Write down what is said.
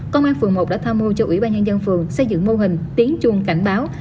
công an phường một đã tham mưu cho ủy ban nhân dân phường xây dựng mô hình tiếng chuông cảnh báo